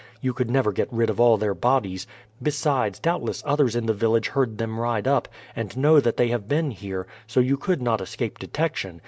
You could never get rid of all their bodies. Besides, doubtless others in the village heard them ride up, and know that they have been here; so you could not escape detection.